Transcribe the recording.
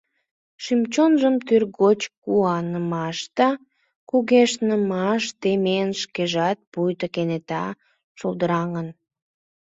Шӱм-чонжым тӱргоч куанымаш да кугешнымаш темен, шкежат пуйто кенета шулдыраҥын.